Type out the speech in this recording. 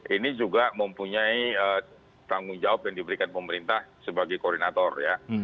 ini juga mempunyai tanggung jawab yang diberikan pemerintah sebagai koordinator ya